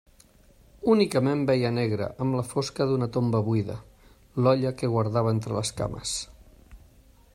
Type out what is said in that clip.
Únicament veia negre, amb la fosca d'una tomba buida, l'olla que guardava entre les cames.